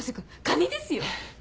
カニですよ！